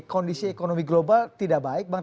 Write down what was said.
kondisi ekonomi global tidak baik bang